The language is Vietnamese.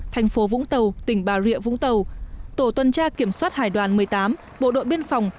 thành phố vũng tàu tỉnh bà rịa vũng tàu tổ tuần tra kiểm soát hải đoàn một mươi tám bộ đội biên phòng